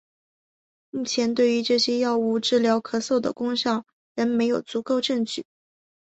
目前对于这些药物治疗咳嗽的功效仍没有足够证据。